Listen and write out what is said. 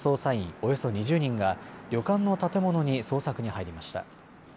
およそ２０人が旅館の建物に捜索に入りました。